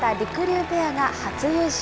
うペアが初優勝。